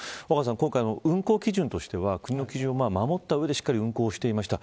今回、運航基準としては国の基準を守った上でしっかり運航していました。